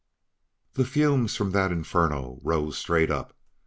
The fumes from that inferno rose straight up.